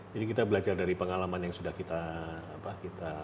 jadi kita belajar dari pengalaman yang sudah kita